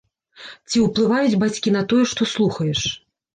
Ці ўплываюць бацькі на тое, што слухаеш?